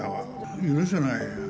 許せないよ。